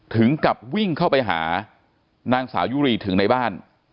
ถึงกับวิ่งเข้าไปหานางสาวยุรีถึงในบ้าน